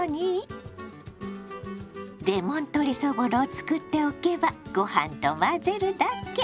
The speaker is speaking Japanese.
レモン鶏そぼろを作っておけばご飯と混ぜるだけ！